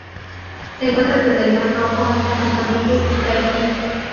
Se encuentra desde el Mar Rojo hasta Mozambique y Tahití.